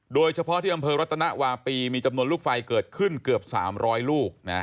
โดยเฉพาะที่อำเภอรัตนวาปีมีจำนวนลูกไฟเกิดขึ้นเกือบ๓๐๐ลูก